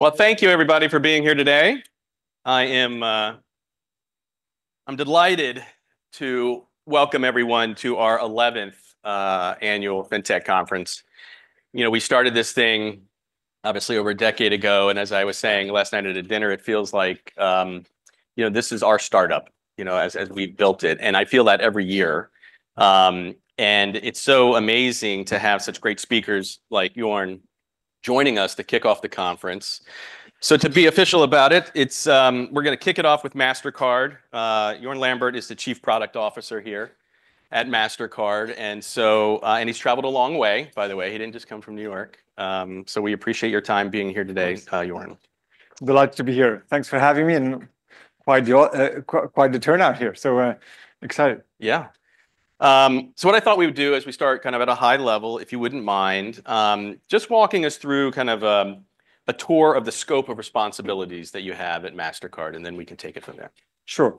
Well, thank you everybody for being here today. I'm delighted to welcome everyone to our 11th annual Fintech conference. We started this thing obviously over a decade ago, and as I was saying last night at a dinner, it feels like this is our startup as we've built it, and I feel that every year. It's so amazing to have such great speakers like Jorn joining us to kick off the conference. To be official about it, we're going to kick it off with Mastercard. Jorn Lambert is the Chief Product Officer here at Mastercard, and he's traveled a long way, by the way. He didn't just come from New York. We appreciate your time being here today- Of course Delighted to be here. Thanks for having me, and quite the turnout here, so excited. Yeah. What I thought we would do is we start at a high level, if you wouldn't mind, just walking us through a tour of the scope of responsibilities that you have at Mastercard, and then we can take it from there. Sure.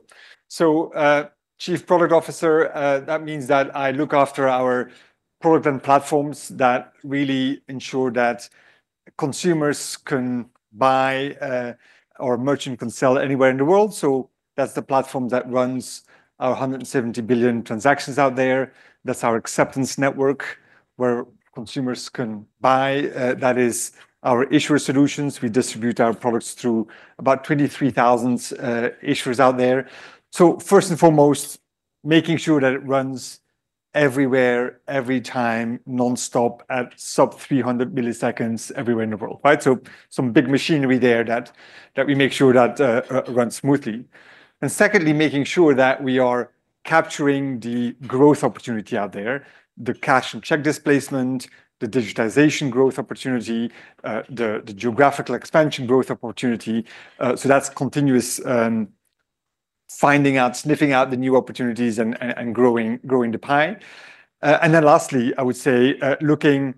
Chief Product Officer, that means that I look after our product and platforms that really ensure that consumers can buy or a merchant can sell anywhere in the world. That's the platform that runs our 170 billion transactions out there. That's our acceptance network where consumers can buy. That is our issuer solutions. We distribute our products through about 23,000 issuers out there. First and foremost, making sure that it runs everywhere, every time, nonstop at sub-300 ms everywhere in the world. Right? Some big machinery there that we make sure that runs smoothly. Secondly, making sure that we are capturing the growth opportunity out there, the cash and check displacement, the digitization growth opportunity, the geographical expansion growth opportunity. That's continuous finding out, sniffing out the new opportunities and growing the pie. Lastly, I would say, looking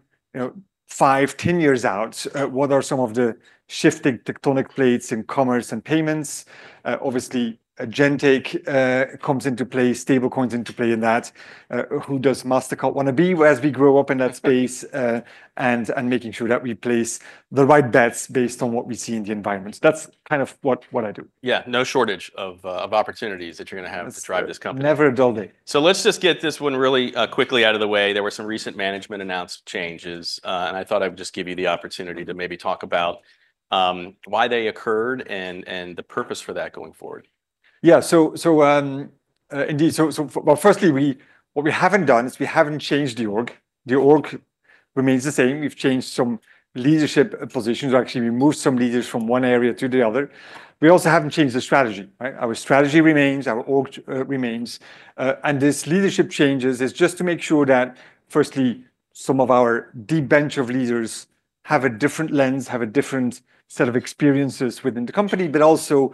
five, 10 years out, what are some of the shifting tectonic plates in commerce and payments? Obviously, agentic comes into play, stablecoins into play in that. Who does Mastercard want to be as we grow up in that space? Making sure that we place the right bets based on what we see in the environment. That's kind of what I do. Yeah, no shortage of opportunities that you're going to have to drive this company. Never a dull day. Let's just get this one really quickly out of the way. There were some recent management-announced changes, and I thought I would just give you the opportunity to maybe talk about why they occurred and the purpose for that going forward. Yeah. Indeed. Well, firstly, what we haven't done is we haven't changed the org. The org remains the same. We've changed some leadership positions. Actually, we moved some leaders from one area to the other. We also haven't changed the strategy. Right? Our strategy remains, our org remains, and this leadership changes is just to make sure that firstly, some of our deep bench of leaders have a different lens, have a different set of experiences within the company, but also,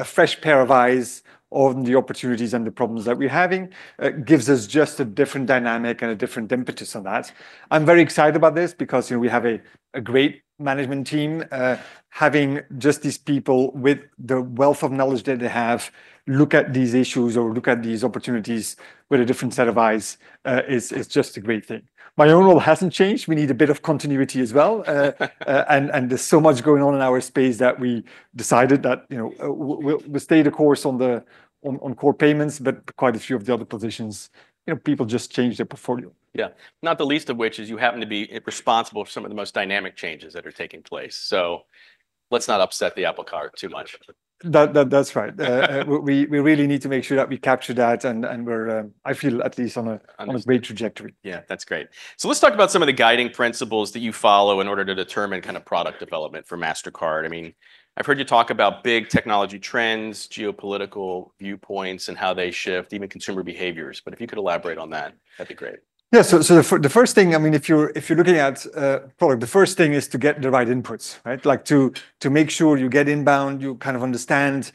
a fresh pair of eyes on the opportunities and the problems that we're having. It gives us just a different dynamic and a different impetus on that. I'm very excited about this because we have a great management team. Having just these people with the wealth of knowledge that they have, look at these issues or look at these opportunities with a different set of eyes, is just a great thing. My own role hasn't changed. We need a bit of continuity as well, and there's so much going on in our space that we decided that we'll stay the course on core payments, but quite a few of the other positions, people just change their portfolio. Yeah. Not the least of which is you happen to be responsible for some of the most dynamic changes that are taking place. Let's not upset the apple cart too much. That's right. We really need to make sure that we capture that and we're, I feel at least, on a great trajectory. Yeah, that's great. Let's talk about some of the guiding principles that you follow in order to determine product development for Mastercard. I've heard you talk about big technology trends, geopolitical viewpoints, and how they shift even consumer behaviors, if you could elaborate on that'd be great. Yeah. The first thing, if you're looking at a product, the first thing is to get the right inputs, right? To make sure you get inbound, you understand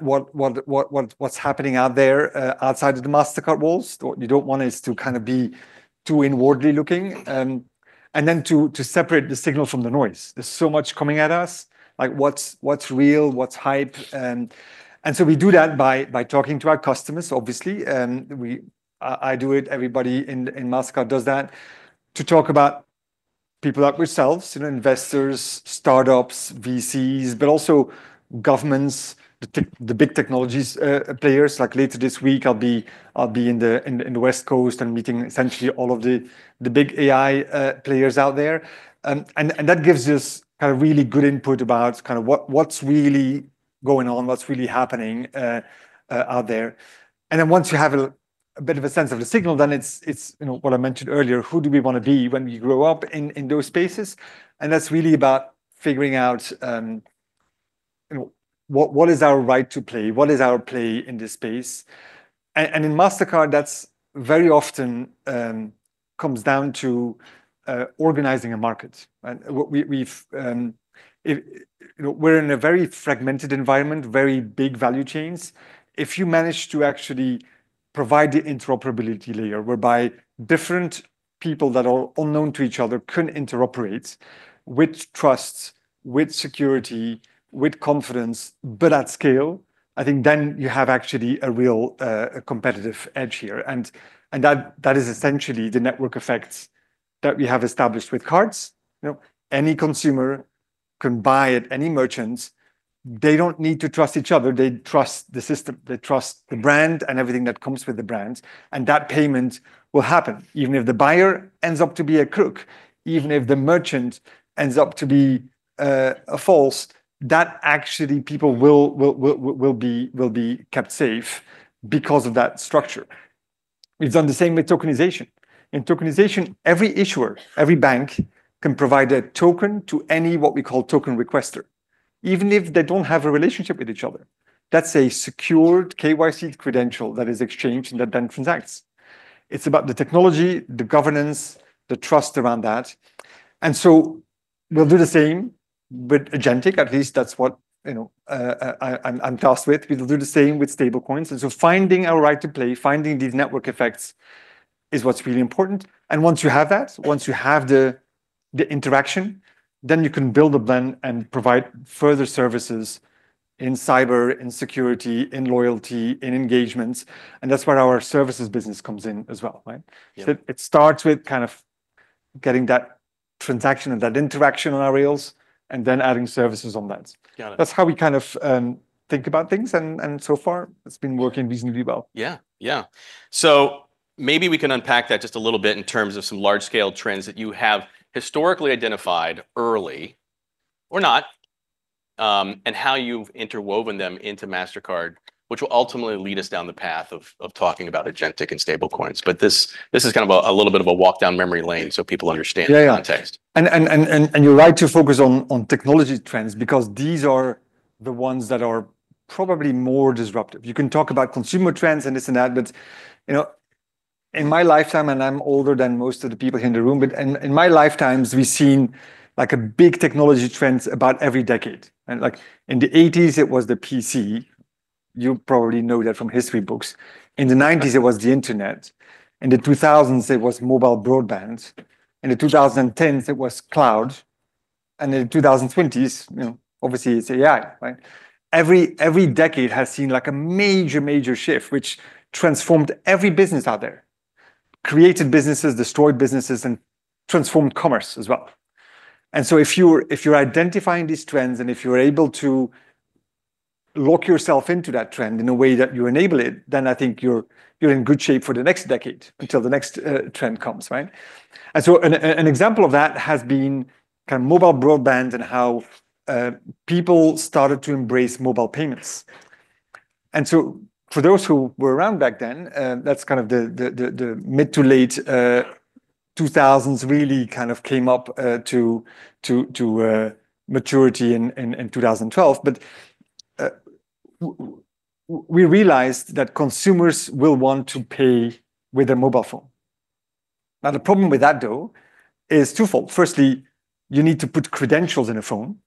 what's happening out there outside of the Mastercard walls. What you don't want is to be too inwardly looking. To separate the signal from the noise. There's so much coming at us. What's real? What's hype? We do that by talking to our customers obviously, I do it, everybody in Mastercard does that, to talk about people like ourselves, investors, startups, VCs, but also governments, the big technologies players. Like later this week, I'll be in the West Coast and meeting essentially all of the big AI players out there, and that gives us really good input about what's really going on, what's really happening out there. Once you have a bit of a sense of the signal, then it's what I mentioned earlier, who do we want to be when we grow up in those spaces? That's really about figuring out what is our right to play, what is our play in this space? In Mastercard, that very often comes down to organizing a market. We're in a very fragmented environment, very big value chains. If you manage to actually provide the interoperability layer, whereby different people that are unknown to each other can interoperate with trust, with security, with confidence, but at scale, I think then you have actually a real competitive edge here. That is essentially the network effects that we have established with cards. Any consumer can buy at any merchants. They don't need to trust each other. They trust the system, they trust the brand and everything that comes with the brands. That payment will happen even if the buyer ends up to be a crook, even if the merchant ends up to be a fraud, that actually people will be kept safe because of that structure. We've done the same with tokenization. In tokenization, every issuer, every bank, can provide a token to any, what we call token requester, even if they don't have a relationship with each other. That's a secured KYC credential that is exchanged and that transacts. It's about the technology, the governance, the trust around that. We'll do the same with agentic, at least that's what I'm tasked with. We will do the same with stablecoins. Finding our right to play, finding these network effects is what's really important. Once you have that, once you have the interaction, you can build a blend and provide further services in cyber, in security, in loyalty, in engagements. That's where our services business comes in as well, right? Yeah. It starts with kind of getting that transaction and that interaction on our rails, adding services on that. Got it. That's how we kind of think about things. So far it's been working reasonably well. Yeah. Maybe we can unpack that just a little bit in terms of some large-scale trends that you have historically identified early or not, and how you've interwoven them into Mastercard, which will ultimately lead us down the path of talking about agentic and stablecoins. This is kind of a little bit of a walk down memory lane so people understand- Yeah the context. You're right to focus on technology trends, because these are the ones that are probably more disruptive. You can talk about consumer trends and this and that, but in my lifetime, and I'm older than most of the people here in the room, but in my lifetimes, we've seen like a big technology trends about every decade. Like in the '80s, it was the PC. You probably know that from history books. In the '90s, it was the internet. In the 2000s, it was mobile broadband. In the 2010s, it was cloud. In 2020s, obviously it's AI, right? Every decade has seen like a major shift, which transformed every business out there, created businesses, destroyed businesses, and transformed commerce as well. If you're identifying these trends, if you're able to lock yourself into that trend in a way that you enable it, then I think you're in good shape for the next decade until the next trend comes. Right? An example of that has been kind of mobile broadband and how people started to embrace mobile payments. For those who were around back then, that's kind of the mid-to-late 2000s, really kind of came up to maturity in 2012. We realized that consumers will want to pay with a mobile phone. The problem with that though is twofold. Firstly, you need to put credentials in a phone,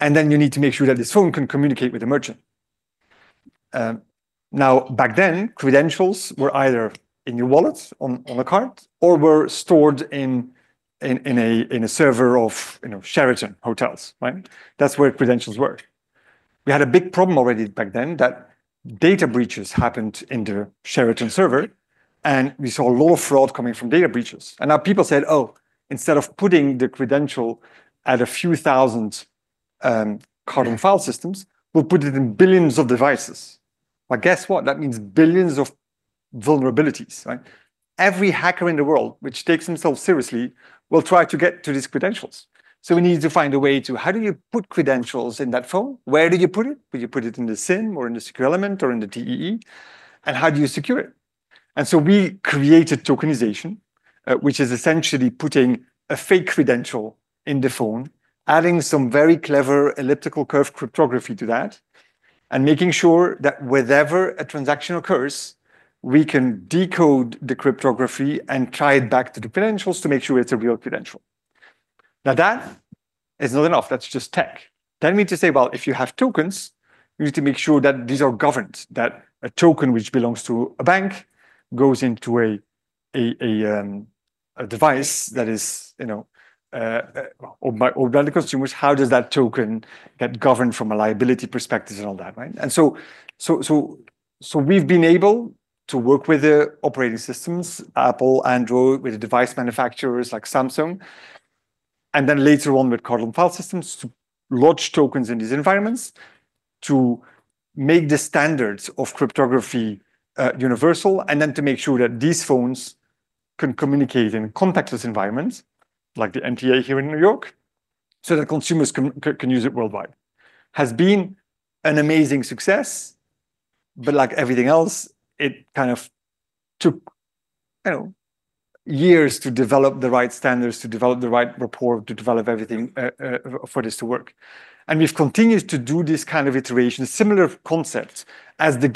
then you need to make sure that this phone can communicate with the merchant. Back then, credentials were either in your wallet, on a card, or were stored in a server of Sheraton Hotels. Right? That's where credentials were. We had a big problem already back then that data breaches happened in the Sheraton server, we saw a lot of fraud coming from data breaches. Now people said, "Oh, instead of putting the credential at a few thousand card and file systems, we'll put it in billions of devices." Guess what? That means billions of vulnerabilities, right? Every hacker in the world, which takes themselves seriously, will try to get to these credentials. We need to find a way how do you put credentials in that phone? Where do you put it? Do you put it in the SIM, or in the secure element, or in the TEE? How do you secure it? We created tokenization, which is essentially putting a fake credential in the phone, adding some very clever elliptic curve cryptography to that, making sure that wherever a transaction occurs, we can decode the cryptography and tie it back to the credentials to make sure it's a real credential. That is not enough. That's just tech. That means to say, if you have tokens, you need to make sure that these are governed, that a token which belongs to a bank goes into a device that is owned by the consumers. How does that token get governed from a liability perspective and all that, right? We've been able to work with the operating systems, Apple, Android, with the device manufacturers like Samsung, later on with card and file systems to lodge tokens in these environments to make the standards of cryptography universal, to make sure that these phones can communicate in contactless environments like the MTA here in N.Y., so that consumers can use it worldwide. It has been an amazing success, but like everything else, it kind of took years to develop the right standards, to develop the right rapport, to develop everything for this to work. We've continued to do this kind of iteration, similar concepts as the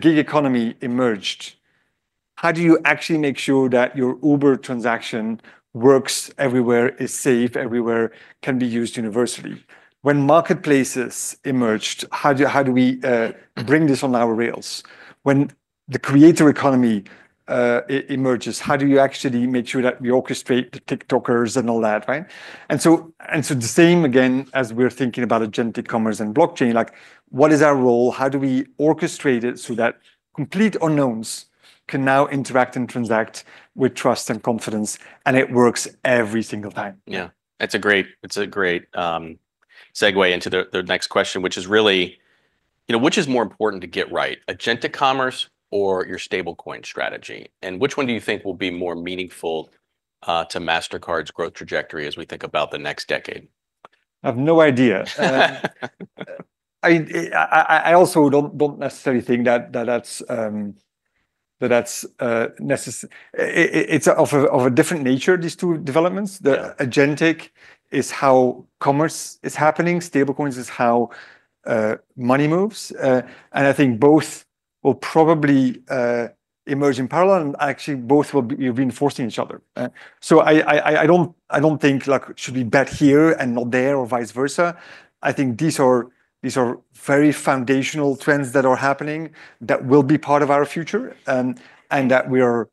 gig economy emerged. How do you actually make sure that your Uber transaction works everywhere, is safe everywhere, can be used universally? When marketplaces emerged, how do we bring this on our rails? When the creator economy emerges. How do you actually make sure that we orchestrate the TikTokers and all that? The same again, as we're thinking about agentic commerce and blockchain. Like what is our role? How do we orchestrate it so that complete unknowns can now interact and transact with trust and confidence, and it works every single time. Yeah. It's a great segue into the next question, which is really, which is more important to get right, agentic commerce or your stablecoin strategy? Which one do you think will be more meaningful to Mastercard's growth trajectory as we think about the next decade? I have no idea. I also don't necessarily think that's necessary. It's of a different nature, these two developments. Yeah. The agentic is how commerce is happening. Stablecoins is how money moves. I think both will probably emerge in parallel, and actually both will be reinforcing each other. I don't think it should be bet here and not there or vice versa. I think these are very foundational trends that are happening that will be part of our future, and that we are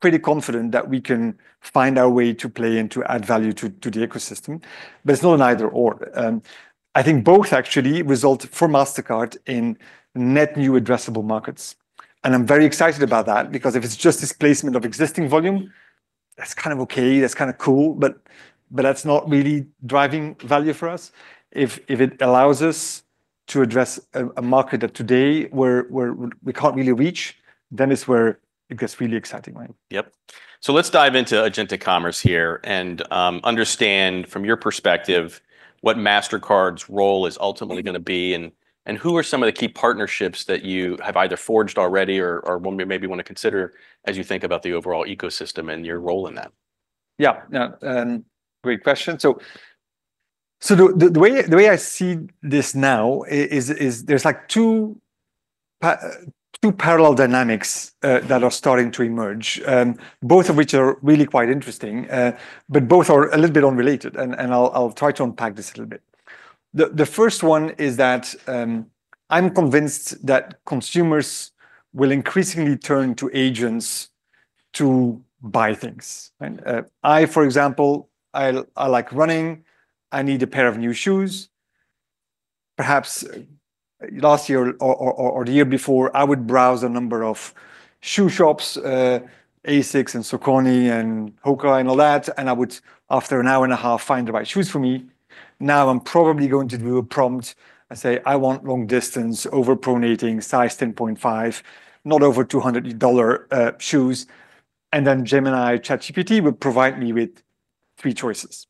pretty confident that we can find our way to play and to add value to the ecosystem. It's not an either/or. I think both actually result for Mastercard in net new addressable markets. I'm very excited about that because if it's just displacement of existing volume, that's kind of okay, that's kind of cool, but that's not really driving value for us. If it allows us to address a market that today we can't really reach, it's where it gets really exciting. Yep. Let's dive into agentic commerce here and understand from your perspective what Mastercard's role is ultimately going to be and who are some of the key partnerships that you have either forged already or maybe want to consider as you think about the overall ecosystem and your role in that? Yeah. Great question. The way I see this now is there's two parallel dynamics that are starting to emerge. Both of which are really quite interesting, both are a little bit unrelated, and I'll try to unpack this a little bit. The first one is that I'm convinced that consumers will increasingly turn to agents to buy things. I, for example, I like running. I need a pair of new shoes. Perhaps last year or the year before, I would browse a number of shoe shops, ASICS and Saucony, and Hoka and all that, and I would, after an hour and a half, find the right shoes for me. Now, I'm probably going to do a prompt and say, "I want long distance, overpronating, size 10.5, not over $200 shoes." Then Gemini ChatGPT will provide me with three choices.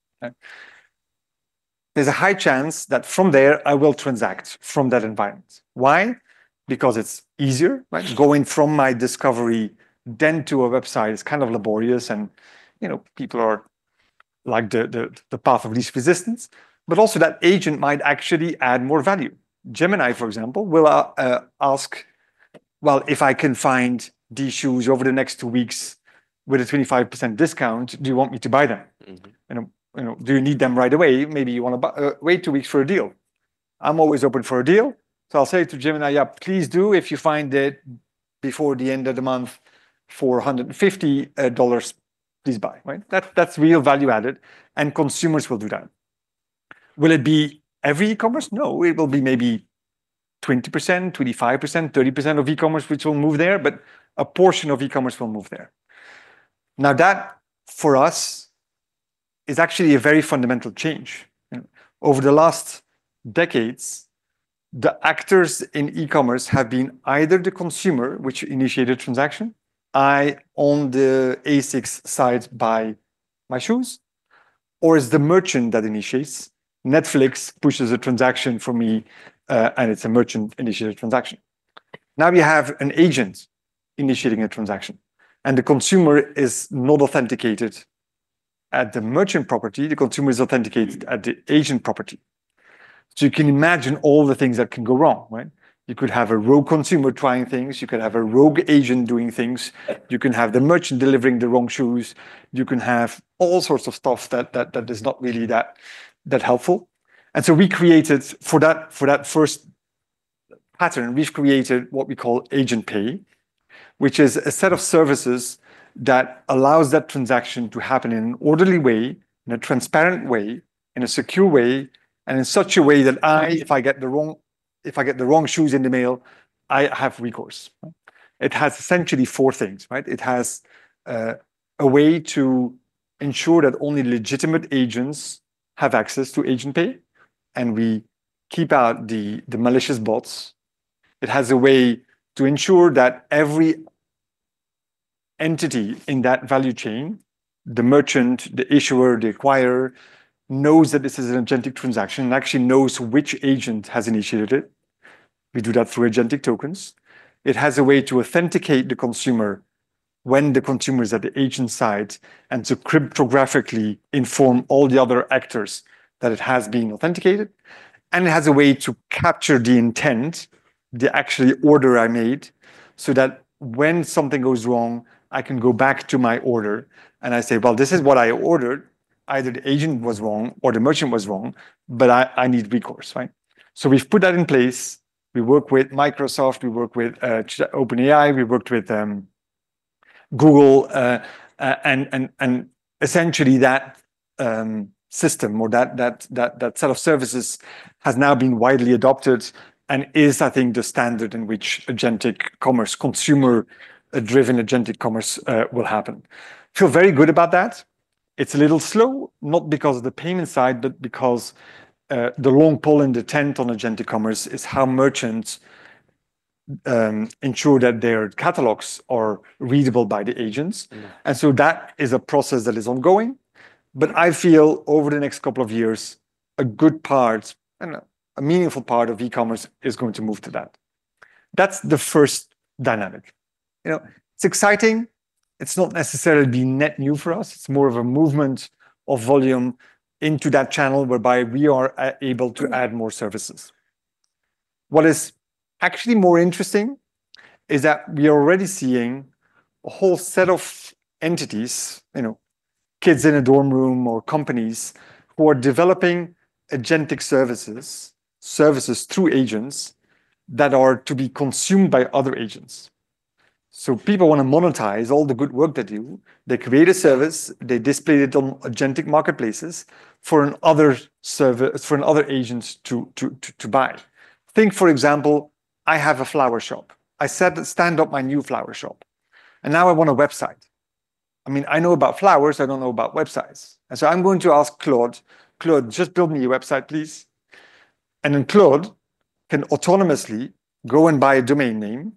There's a high chance that from there I will transact from that environment. Why? Because it's easier. Going from my discovery then to a website is kind of laborious and people like the path of least resistance. Also that agent might actually add more value. Gemini, for example, will ask, well, if I can find these shoes over the next two weeks with a 25% discount, do you want me to buy them? Do you need them right away? Maybe you want to wait two weeks for a deal. I'm always open for a deal, I'll say to Gemini, "Yeah, please do. If you find it before the end of the month for $150, please buy." That's real value added, and consumers will do that. Will it be every e-commerce? No, it will be maybe 20%, 25%, 30% of e-commerce which will move there, but a portion of e-commerce will move there. Now, that for us is actually a very fundamental change. Over the last decades, the actors in e-commerce have been either the consumer which initiated transaction. I, on the ASICS site, buy my shoes, or it's the merchant that initiates. Netflix pushes a transaction for me, and it's a merchant-initiated transaction. Now we have an agent initiating a transaction, and the consumer is not authenticated at the merchant property. The consumer is authenticated at the agent property. You can imagine all the things that can go wrong. You could have a rogue consumer trying things. You could have a rogue agent doing things. You can have the merchant delivering the wrong shoes. You can have all sorts of stuff that is not really that helpful. For that first pattern, we've created what we call Agent Pay, which is a set of services that allows that transaction to happen in an orderly way, in a transparent way, in a secure way, and in such a way that I, if I get the wrong shoes in the mail, I have recourse. It has essentially four things. It has a way to ensure that only legitimate agents have access to Agent Pay, and we keep out the malicious bots. It has a way to ensure that every entity in that value chain, the merchant, the issuer, the acquirer, knows that this is an agentic transaction and actually knows which agent has initiated it. We do that through agentic tokens. It has a way to authenticate the consumer when the consumer is at the agent site and to cryptographically inform all the other actors that it has been authenticated. It has a way to capture the intent, the actual order I made, so that when something goes wrong, I can go back to my order and I say, well, this is what I ordered. Either the agent was wrong or the merchant was wrong, but I need recourse. We've put that in place. We work with Microsoft, we work with OpenAI, we worked with Google, essentially that system or that set of services has now been widely adopted and is, I think, the standard in which agentic commerce, consumer-driven agentic commerce will happen. Feel very good about that. It's a little slow, not because of the payment side, but because the long pole in the tent on agentic commerce is how merchants ensure that their catalogs are readable by the agents. Yeah. That is a process that is ongoing. I feel over the next couple of years, a good part and a meaningful part of e-commerce is going to move to that. That's the first dynamic. It's exciting. It's not necessarily been net new for us. It's more of a movement of volume into that channel whereby we are able to add more services. What is actually more interesting is that we are already seeing a whole set of entities, kids in a dorm room or companies, who are developing agentic services through agents, that are to be consumed by other agents. People want to monetize all the good work they do. They create a service, they display it on agentic marketplaces for other agents to buy. Think, for example, I have a flower shop. I set up my new flower shop, now I want a website. I know about flowers, I don't know about websites. I'm going to ask Claude, "Claude, just build me a website, please." Claude can autonomously go and buy a domain name,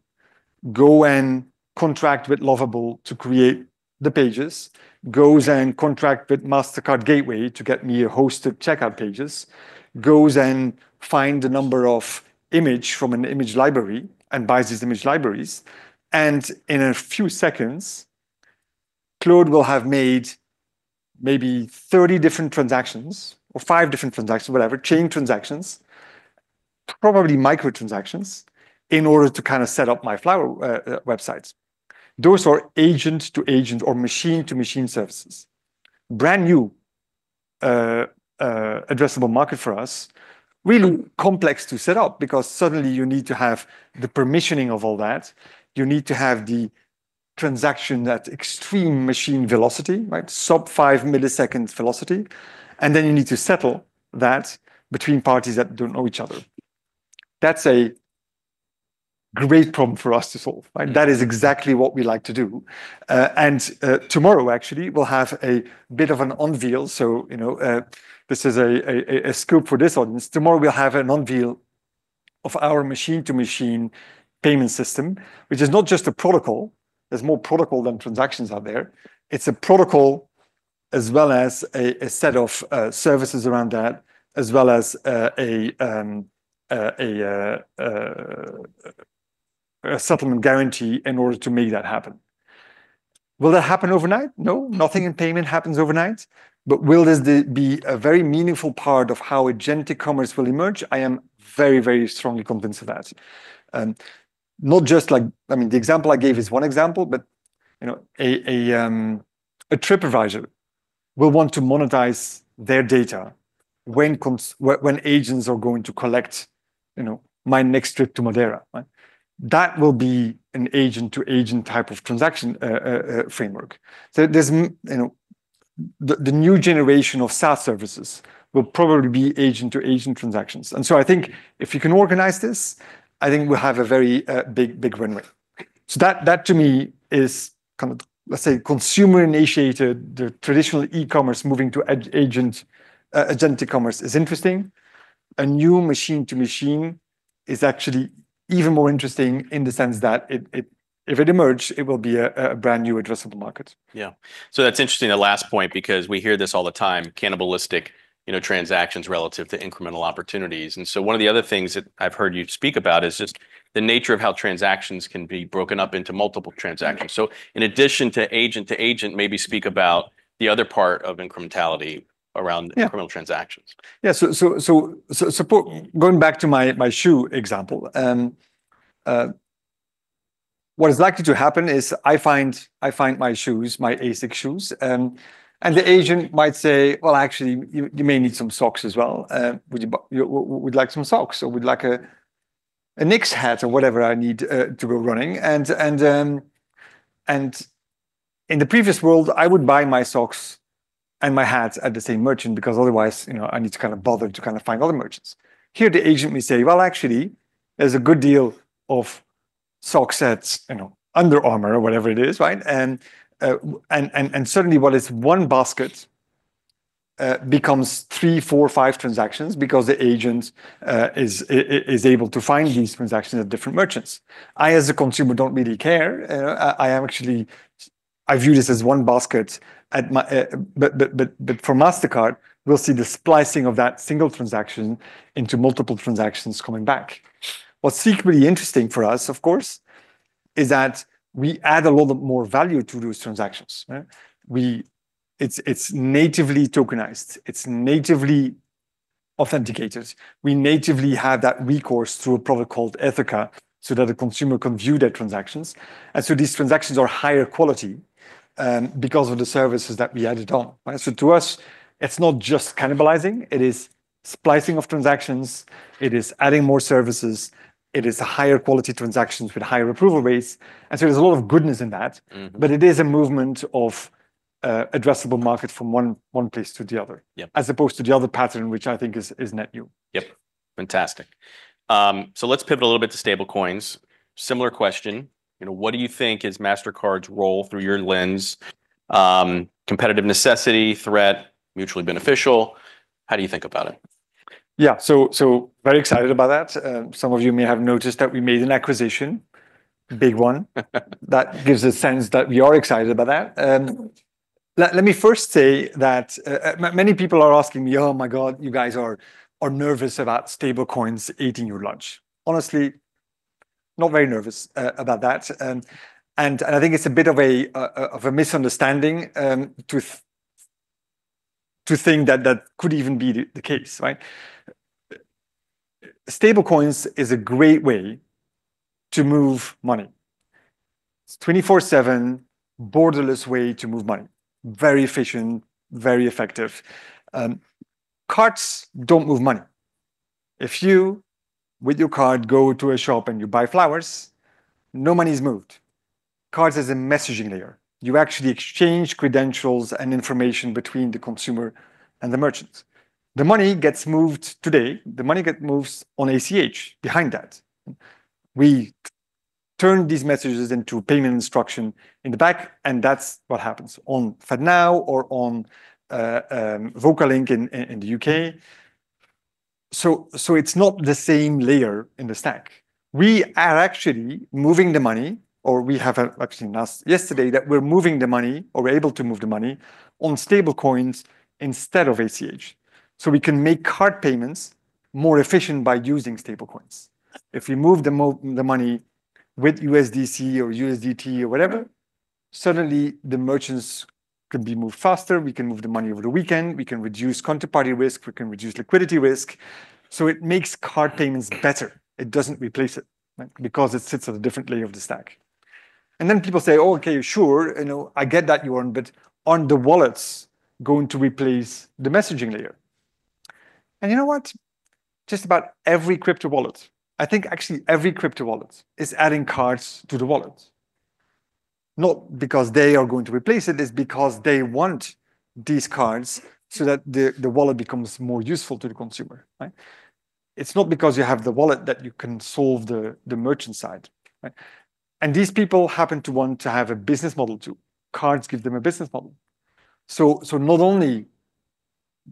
go and contract with Lovable to create the pages, goes and contract with Mastercard Gateway to get me hosted checkout pages, goes and find the number of image from an image library and buys these image libraries. In a few seconds, Claude will have made maybe 30 different transactions or five different transactions, whatever, chain transactions, probably micro transactions in order to kind of set up my flower websites. Those are agent-to-agent or machine-to-machine services. Brand new addressable market for us. Really complex to set up because suddenly you need to have the permissioning of all that. You need to have the transaction at extreme machine velocity, sub 5 ms velocity. You need to settle that between parties that don't know each other. That's a great problem for us to solve. That is exactly what we like to do. Tomorrow, actually, we'll have a bit of an unveil. This is a scoop for this audience. Tomorrow we'll have an unveil of our machine-to-machine payment system, which is not just a protocol. There's more protocol than transactions out there. It's a protocol as well as a set of services around that, as well as a settlement guarantee in order to make that happen. Will that happen overnight? No. Nothing in payment happens overnight. Will this be a very meaningful part of how agentic commerce will emerge? I am very strongly convinced of that. The example I gave is one example, a TripAdvisor will want to monetize their data when agents are going to collect my next trip to Madeira. That will be an agent-to-agent type of transaction framework. The new generation of SaaS services will probably be agent-to-agent transactions. I think if you can organize this, I think we'll have a very big runway. That to me is kind of, let's say, consumer-initiated, the traditional e-commerce moving to agentic commerce is interesting. A new machine-to-machine is actually even more interesting in the sense that if it emerges, it will be a brand new addressable market. Yeah. That's interesting, that last point, because we hear this all the time, cannibalistic transactions relative to incremental opportunities. One of the other things that I've heard you speak about is just the nature of how transactions can be broken up into multiple transactions. In addition to agent-to-agent, maybe speak about the other part of incrementality around. Yeah incremental transactions. Yeah. Going back to my shoe example, what is likely to happen is I find my shoes, my ASICS shoes, and the agent might say, "Well, actually, you may need some socks as well. Would you like some socks? Or would like a Knicks hat?" Or whatever I need to go running. In the previous world, I would buy my socks and my hats at the same merchant, because otherwise I need to kind of bother to kind of find other merchants. Here, the agent may say, "Well, actually, there's a good deal of sock sets," Under Armour or whatever it is. Suddenly what is one basket becomes three, four, five transactions because the agent is able to find these transactions at different merchants. I, as a consumer, don't really care. I view this as one basket. For Mastercard, we'll see the splicing of that single transaction into multiple transactions coming back. What's equally interesting for us, of course, is that we add a lot more value to those transactions. It's natively tokenized. It's natively authenticators. We natively have that recourse through a product called Ethoca, so that the consumer can view their transactions. These transactions are higher quality because of the services that we added on. To us, it's not just cannibalizing, it is splicing of transactions, it is adding more services, it is higher quality transactions with higher approval rates. There's a lot of goodness in that. It is a movement of addressable market from one place to the other. As opposed to the other pattern, which I think is net new. Yep. Fantastic. Let's pivot a little bit to stablecoins. Similar question. What do you think is Mastercard's role through your lens? Competitive necessity, threat, mutually beneficial? How do you think about it? Yeah. Very excited about that. Some of you may have noticed that we made an acquisition, a big one. That gives a sense that we are excited about that. Let me first say that many people are asking me, "Oh, my God, you guys are nervous about stablecoins eating your lunch." Honestly, not very nervous about that. I think it's a bit of a misunderstanding to think that that could even be the case, right? Stablecoins is a great way to move money. It's 24/7 borderless way to move money. Very efficient, very effective. Cards don't move money. If you, with your card, go to a shop and you buy flowers, no money is moved. Cards is a messaging layer. You actually exchange credentials and information between the consumer and the merchant. The money gets moved today, the money get moves on ACH behind that. We turn these messages into payment instruction in the back, that's what happens on FedNow or on Vocalink in the U.K. It's not the same layer in the stack. We are actually moving the money, or we have actually announced yesterday that we're moving the money or able to move the money on stablecoins instead of ACH. We can make card payments more efficient by using stablecoins. If we move the money with USDC or USDT or whatever, suddenly the merchants can be moved faster, we can move the money over the weekend, we can reduce counterparty risk, we can reduce liquidity risk. It makes card payments better. It doesn't replace it because it sits at a different layer of the stack. People say, "Okay, sure. I get that you earn, aren't the wallets going to replace the messaging layer?" You know what? Just about every crypto wallet is adding cards to the wallet. Not because they are going to replace it's because they want these cards so that the wallet becomes more useful to the consumer, right? It's not because you have the wallet that you can solve the merchant side. These people happen to want to have a business model, too. Cards give them a business model. Not only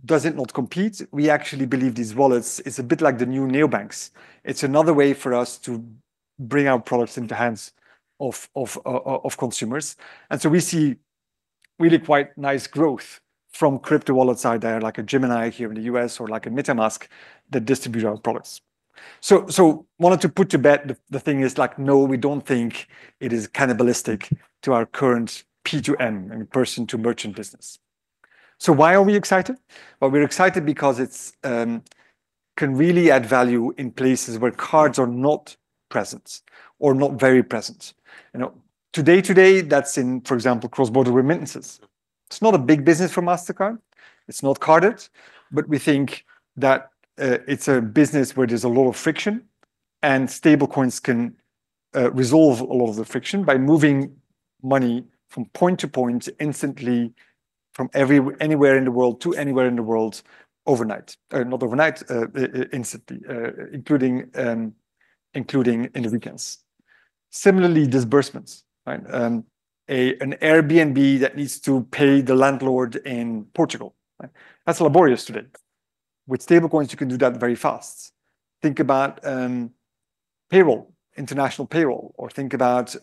does it not compete, we actually believe these wallets, it's a bit like the new neobanks. It's another way for us to bring our products into the hands of consumers. We see really quite nice growth from crypto wallets out there, like a Gemini here in the U.S. or like a MetaMask, that distribute our products. Wanted to put to bed the thing is like, no, we don't think it is cannibalistic to our current P2M, person to merchant business. Why are we excited? Well, we're excited because it can really add value in places where cards are not present or not very present. Today, that's in, for example, cross-border remittances. It's not a big business for Mastercard. It's not carded. We think that it's a business where there's a lot of friction, and stablecoins can resolve a lot of the friction by moving money from point to point instantly from anywhere in the world to anywhere in the world overnight. Not overnight, instantly, including in the weekends. Similarly, disbursements, right? An Airbnb that needs to pay the landlord in Portugal. That's laborious to do. With stablecoins, you can do that very fast. Think about payroll, international payroll, or think about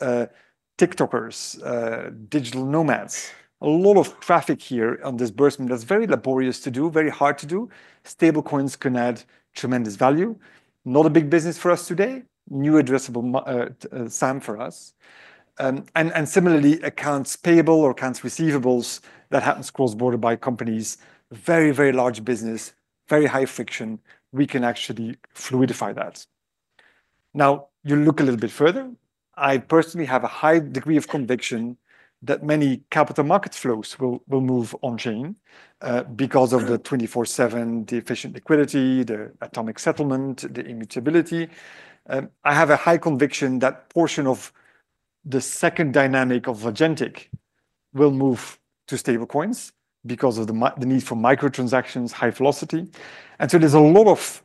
TikTokers, digital nomads. A lot of traffic here on disbursement that's very laborious to do, very hard to do. Stablecoins can add tremendous value. Not a big business for us today. New addressable SAM for us. Similarly, accounts payable or accounts receivables that happens cross-border by companies, very large business, very high friction. We can actually fluidify that. You look a little bit further. I personally have a high degree of conviction that many capital markets flows will move on-chain because of the 24/7, the efficient liquidity, the atomic settlement, the immutability. I have a high conviction that portion of the second dynamic of agentic will move to stablecoins because of the need for micro-transactions, high velocity. There's a lot of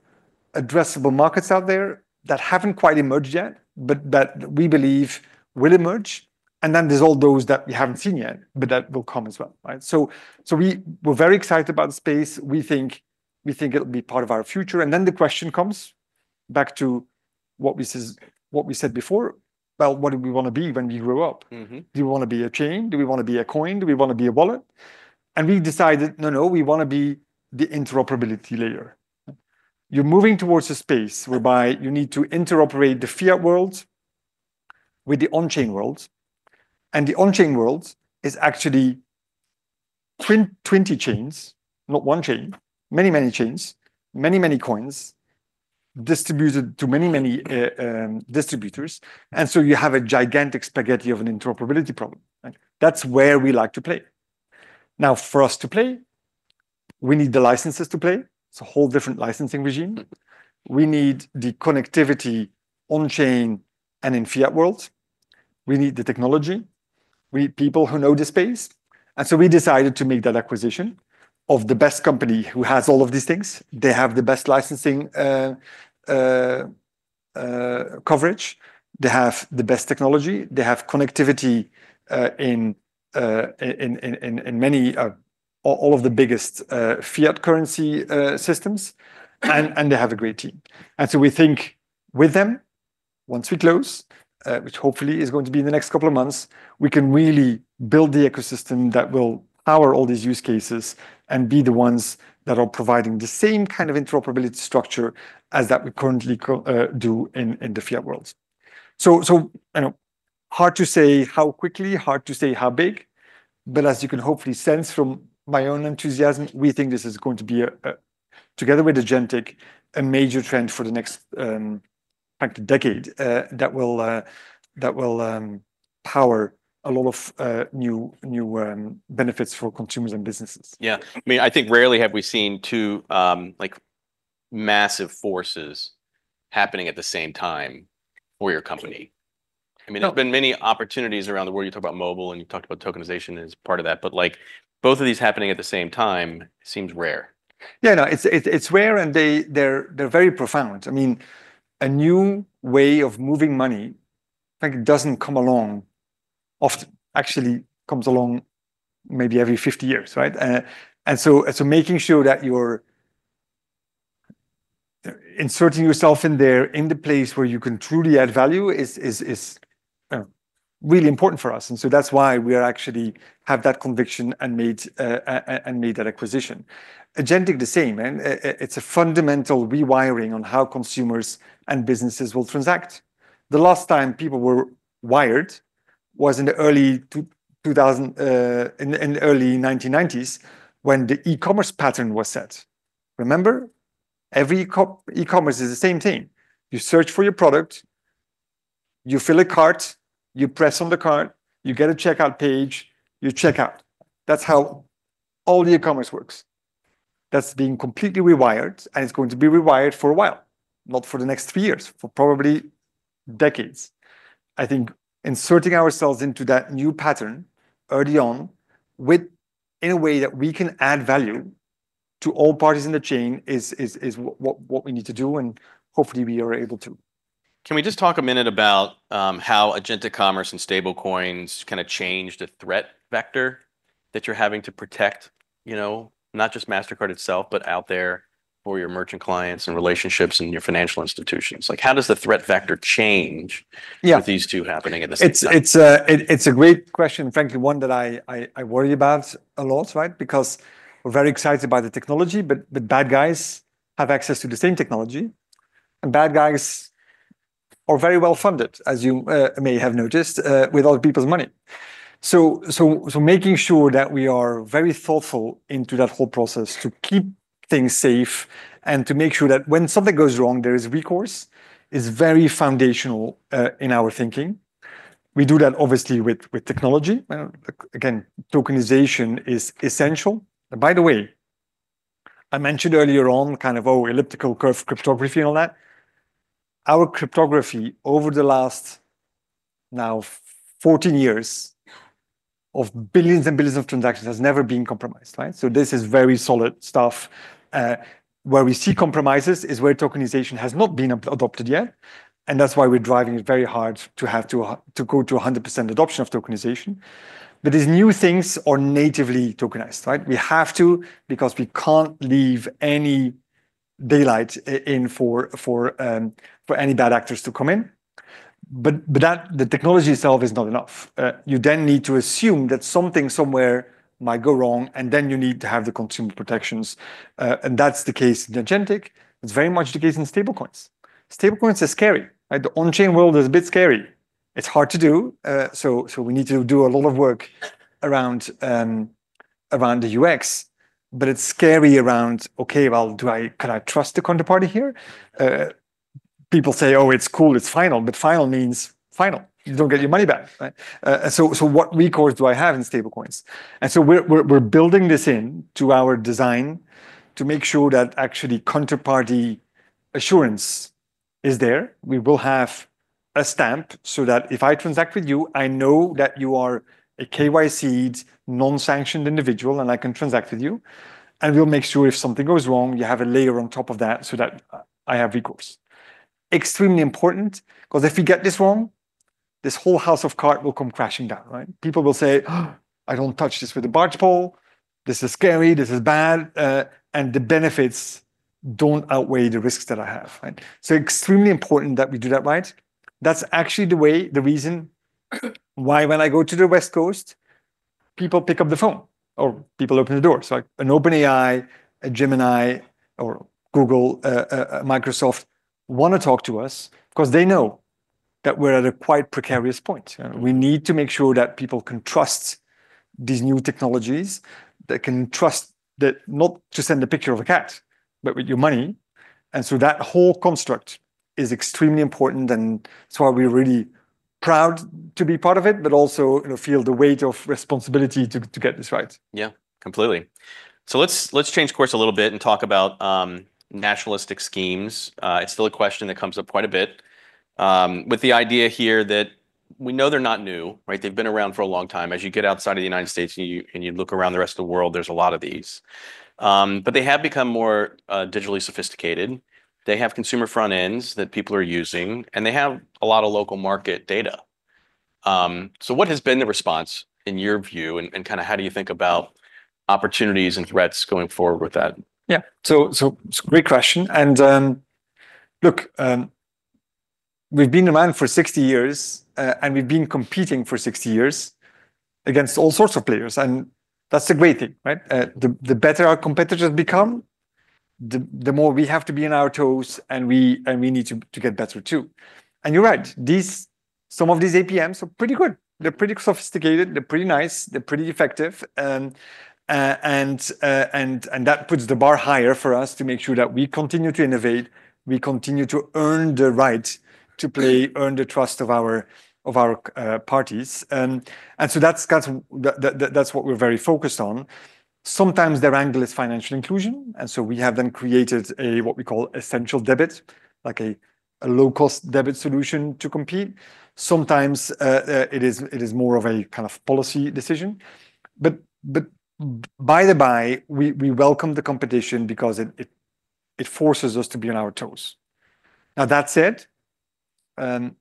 addressable markets out there that haven't quite emerged yet, but that we believe will emerge. There's all those that we haven't seen yet, but that will come as well. We're very excited about the space. We think it'll be part of our future. The question comes back to what we said before, about what do we want to be when we grow up? Do we want to be a chain? Do we want to be a coin? Do we want to be a wallet? We decided, no, we want to be the interoperability layer. You're moving towards a space whereby you need to interoperate the fiat world with the on-chain world. The on-chain world is actually 20 chains, not one chain, many, many chains, many, many coins distributed to many, many distributors. You have a gigantic spaghetti of an interoperability problem. That's where we like to play. For us to play, we need the licenses to play. It's a whole different licensing regime. We need the connectivity on-chain and in fiat world. We need the technology. We need people who know the space. We decided to make that acquisition of the best company who has all of these things. They have the best licensing coverage. They have the best technology. They have connectivity in all of the biggest fiat currency systems. They have a great team. We think with them, once we close, which hopefully is going to be in the next couple of months, we can really build the ecosystem that will power all these use cases and be the ones that are providing the same kind of interoperability structure as that we currently do in the fiat world. Hard to say how quickly, hard to say how big, but as you can hopefully sense from my own enthusiasm, we think this is going to be, together with agentic, a major trend for the next, in fact, decade, that will power a lot of new benefits for consumers and businesses. I think rarely have we seen two massive forces happening at the same time for your company. No. There's been many opportunities around the world. You talk about mobile, and you talked about tokenization as part of that, but both of these happening at the same time seems rare. It's rare, and they're very profound. A new way of moving money, it doesn't come along often. Actually, comes along maybe every 50 years, right? Making sure that you're inserting yourself in there, in the place where you can truly add value is really important for us. That's why we actually have that conviction and made that acquisition. Agentic the same. It's a fundamental rewiring on how consumers and businesses will transact. The last time people were wired was in the early 1990s, when the e-commerce pattern was set. Remember? Every e-commerce is the same thing. You search for your product, you fill a cart, you press on the cart, you get a checkout page, you check out. That's how all the e-commerce works. That's being completely rewired, and it's going to be rewired for a while, not for the next few years, for probably decades. I think inserting ourselves into that new pattern early on in a way that we can add value to all parties in the chain is what we need to do, and hopefully, we are able to. Can we just talk a minute about how agentic commerce and stablecoins kind of change the threat vector that you're having to protect, not just Mastercard itself, but out there for your merchant clients and relationships and your financial institutions? How does the threat vector change? Yeah With these two happening at the same time? It's a great question, frankly, one that I worry about a lot, because we're very excited by the technology, but the bad guys have access to the same technology, and bad guys are very well-funded, as you may have noticed, with other people's money. Making sure that we are very thoughtful into that whole process to keep things safe and to make sure that when something goes wrong, there is recourse, is very foundational in our thinking. We do that obviously with technology. Again, tokenization is essential. By the way, I mentioned earlier on kind of our elliptic curve cryptography and all that. Our cryptography over the last now 14 years of billions and billions of transactions has never been compromised. This is very solid stuff. Where we see compromises is where tokenization has not been adopted yet, and that's why we're driving it very hard to go to 100% adoption of tokenization. These new things are natively tokenized. We have to, because we can't leave any daylight in for any bad actors to come in. The technology itself is not enough. You then need to assume that something somewhere might go wrong, and then you need to have the consumer protections. That's the case in agentic. It's very much the case in stablecoins. Stablecoins are scary. The on-chain world is a bit scary. It's hard to do, so we need to do a lot of work around the UX, but it's scary around, okay, well, can I trust the counterparty here? People say, "Oh, it's cool, it's final." Final means final. You don't get your money back. What recourse do I have in stablecoins? We're building this into our design to make sure that actually counterparty assurance is there. We will have a stamp so that if I transact with you, I know that you are a KYC'd, non-sanctioned individual, and I can transact with you. We'll make sure if something goes wrong, you have a layer on top of that so that I have recourse. Extremely important, because if you get this wrong, this whole house of card will come crashing down. People will say, "I don't touch this with a barge pole. This is scary. This is bad." The benefits don't outweigh the risks that I have. Extremely important that we do that right. That's actually the reason why when I go to the West CoastPeople pick up the phone, or people open the door. An OpenAI, a Gemini, or Google, Microsoft want to talk to us because they know that we're at a quite precarious point. We need to make sure that people can trust these new technologies, they can trust that not to send a picture of a cat, but with your money. That whole construct is extremely important, and so are we really proud to be part of it, but also feel the weight of responsibility to get this right. Yeah. Completely. Let's change course a little bit and talk about nationalistic schemes. It's still a question that comes up quite a bit, with the idea here that we know they're not new. They've been around for a long time. As you get outside of the U.S. and you look around the rest of the world, there's a lot of these. They have become more digitally sophisticated. They have consumer front ends that people are using, and they have a lot of local market data. What has been the response in your view, and how do you think about opportunities and threats going forward with that? Yeah. Great question. Look, we've been around for 60 years, and we've been competing for 60 years against all sorts of players. That's the great thing, right? The better our competitors become, the more we have to be on our toes, and we need to get better, too. You're right. Some of these APMs are pretty good. They're pretty sophisticated. They're pretty nice. They're pretty effective. That puts the bar higher for us to make sure that we continue to innovate, we continue to earn the right to play, earn the trust of our parties. That's what we're very focused on. Sometimes their angle is financial inclusion, and so we have then created a what we call Essential Debit, like a low-cost debit solution to compete. Sometimes it is more of a kind of policy decision. By the by, we welcome the competition because it forces us to be on our toes. That said,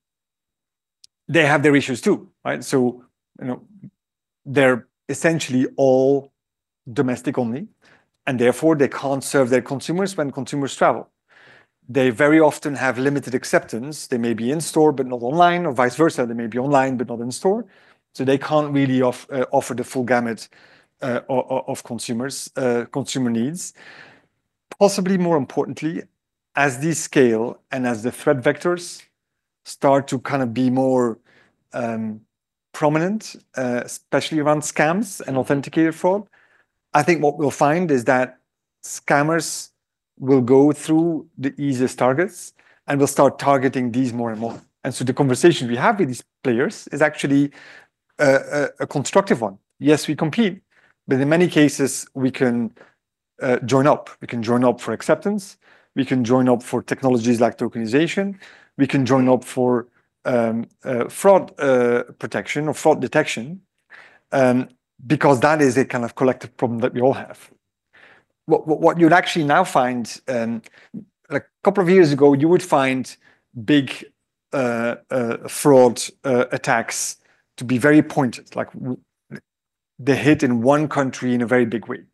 they have their issues, too. They're essentially all domestic only, therefore, they can't serve their consumers when consumers travel. They very often have limited acceptance. They may be in store but not online, or vice versa. They may be online but not in store. They can't really offer the full gamut of consumer needs. Possibly more importantly, as they scale and as the threat vectors start to kind of be more prominent, especially around scams and authenticated fraud, I think what we'll find is that scammers will go through the easiest targets and will start targeting these more and more. The conversation we have with these players is actually a constructive one. Yes, we compete, but in many cases, we can join up. We can join up for acceptance. We can join up for technologies like tokenization. We can join up for fraud protection or fraud detection because that is a kind of collective problem that we all have. What you'd actually now find, a couple of years ago, you would find big fraud attacks to be very pointed, like they hit in one country in a very big way.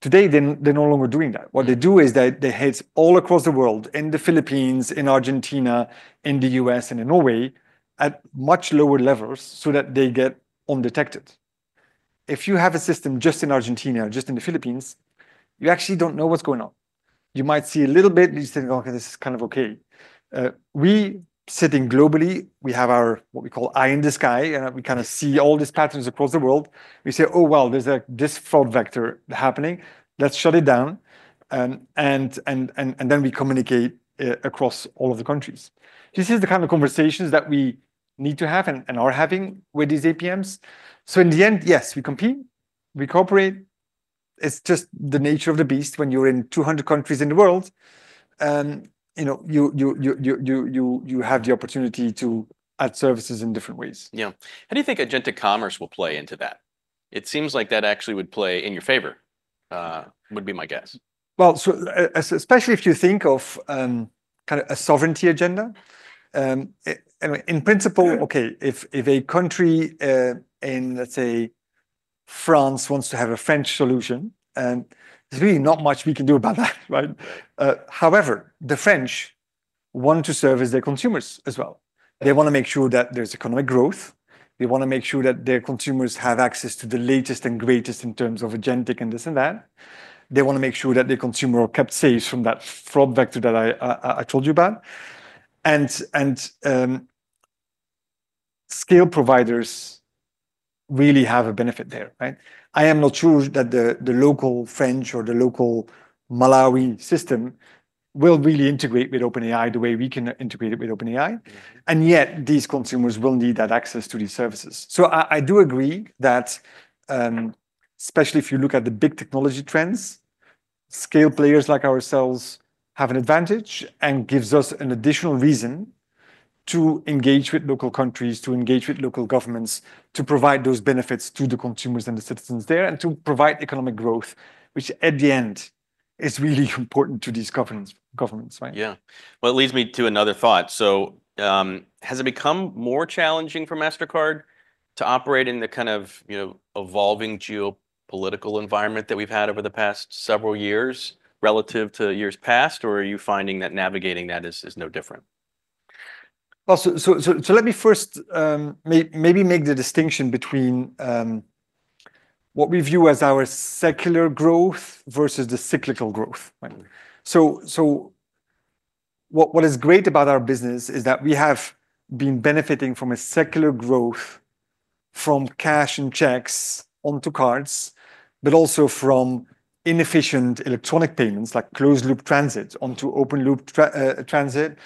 Today, they're no longer doing that. What they do is they hit all across the world, in the Philippines, in Argentina, in the U.S., and in Norway, at much lower levels so that they get undetected. If you have a system just in Argentina, just in the Philippines, you actually don't know what's going on. You might see a little bit, and you think, "Okay, this is kind of okay." We, sitting globally, we have our, what we call eye in the sky. We kind of see all these patterns across the world. We say, "Oh, well, there's this fraud vector happening. Let's shut it down." We communicate across all of the countries. This is the kind of conversations that we need to have and are having with these APMs. In the end, yes, we compete, we cooperate. It's just the nature of the beast. When you're in 200 countries in the world, you have the opportunity to add services in different ways. Yeah. How do you think agentic commerce will play into that? It seems like that actually would play in your favor, would be my guess. Especially if you think of kind of a sovereignty agenda. In principle, okay, if a country in, let's say France wants to have a French solution, there's really not much we can do about that, right? However, the French want to service their consumers as well. They want to make sure that there's economic growth. They want to make sure that their consumers have access to the latest and greatest in terms of agentic and this and that. They want to make sure that their consumers are kept safe from that fraud vector that I told you about. Scale providers really have a benefit there, right? I am not sure that the local French or the local Malawi system will really integrate with OpenAI the way we can integrate it with OpenAI, and yet these consumers will need that access to these services. I do agree that, especially if you look at the big technology trends, scale players like ourselves have an advantage and gives us an additional reason to engage with local countries, to engage with local governments, to provide those benefits to the consumers and the citizens there, and to provide economic growth, which at the end is really important to these governments, right? It leads me to another thought. Has it become more challenging for Mastercard to operate in the kind of evolving geopolitical environment that we've had over the past several years relative to years past, or are you finding that navigating that is no different? Let me first maybe make the distinction between what we view as our secular growth versus the cyclical growth. What is great about our business is that we have been benefiting from a secular growth from cash and checks onto cards, but also from inefficient electronic payments like closed-loop transit onto open-loop transit,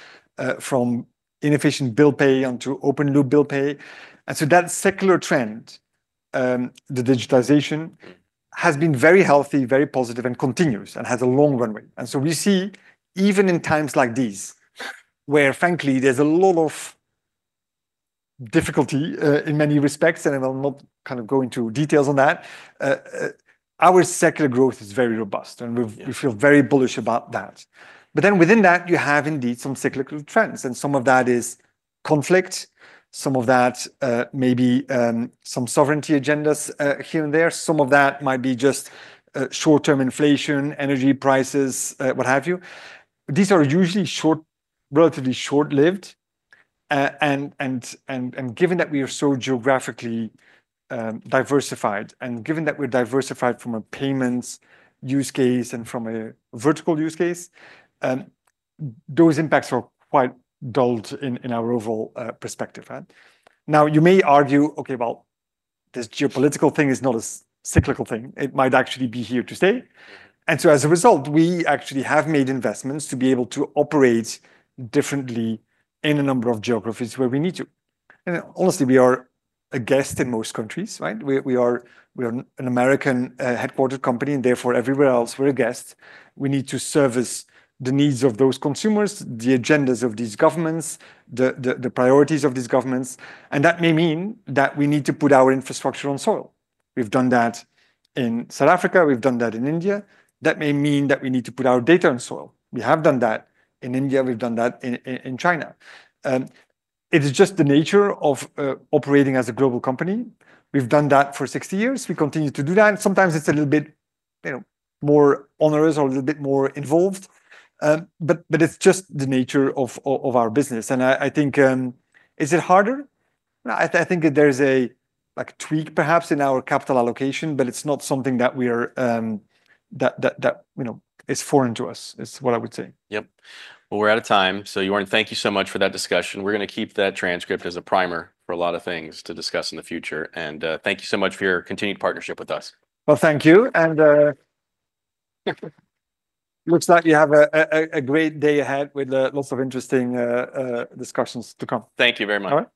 from inefficient bill pay onto open-loop bill pay. That secular trend, the digitization, has been very healthy, very positive, and continuous, and has a long runway. We see even in times like these where frankly there's a lot of difficulty in many respects, and I will not go into details on that, our secular growth is very robust and we feel very bullish about that. Within that, you have indeed some cyclical trends, and some of that is conflict, some of that may be some sovereignty agendas here and there. Some of that might be just short-term inflation, energy prices, what have you. These are usually relatively short-lived. Given that we are so geographically diversified, and given that we're diversified from a payments use case and from a vertical use case, those impacts are quite dulled in our overall perspective. You may argue, okay, well, this geopolitical thing is not a cyclical thing. It might actually be here to stay. As a result, we actually have made investments to be able to operate differently in a number of geographies where we need to. Honestly, we are a guest in most countries, right? We are an American headquartered company, and therefore everywhere else we're a guest. We need to service the needs of those consumers, the agendas of these governments, the priorities of these governments, and that may mean that we need to put our infrastructure on soil. We've done that in South Africa, we've done that in India. That may mean that we need to put our data on soil. We have done that in India, we've done that in China. It is just the nature of operating as a global company. We've done that for 60 years. We continue to do that, and sometimes it's a little bit more onerous or a little bit more involved. It's just the nature of our business. I think, is it harder? I think there's a tweak perhaps in our capital allocation, but it's not something that is foreign to us, is what I would say. Yep. We're out of time. Jorn, thank you so much for that discussion. We're going to keep that transcript as a primer for a lot of things to discuss in the future. Thank you so much for your continued partnership with us. Thank you. Looks like you have a great day ahead with lots of interesting discussions to come. Thank you very much.